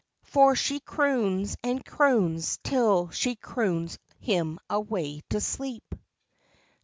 For she croons, and croons, till she croons him away to sleep.